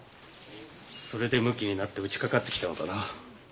それでむきになって打ちかかってきたのだな。